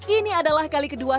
ini adalah kali kedua